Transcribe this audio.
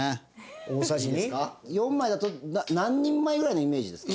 大さじ２？４枚だと何人前ぐらいのイメージですか？